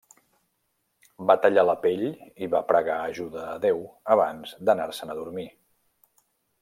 Va tallar la pell i va pregar ajuda a Déu abans d'anar-se'n a dormir.